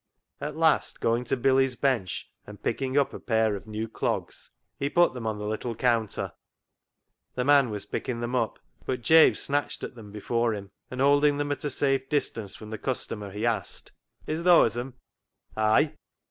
At last going to Billy's bench and picking up a pair of new clogs, he put them on the little counter. The man was picking them up, but Jabe snatched at them before him, and holding them at a safe distance from the customer, he asked —" Is thoas 'em ?"" Ay